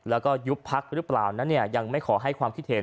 แล้วก็ยุบพักหรือเปล่านั้นเนี่ยยังไม่ขอให้ความคิดเห็น